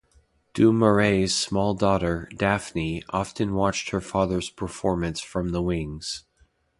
Du Maurier's small daughter, Daphne, often watched her father's performance from the wings.